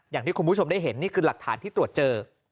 อย่างที่คุณผู้ชมได้เห็นนี่คือหลักฐานที่ตรวจเจอ